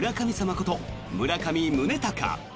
こと村上宗隆。